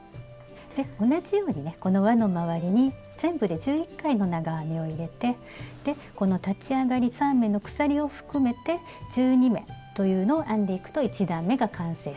で同じようにねこのわのまわりに全部で１１回の長編みを入れてこの立ち上がり３目の鎖を含めて１２目というのを編んでいくと１段めが完成するという感じです。